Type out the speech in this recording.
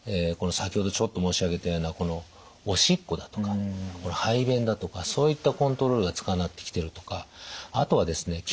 先ほどちょっと申し上げたようなおしっこだとか排便だとかそういったコントロールがつかなくなってきてるとかあとはですね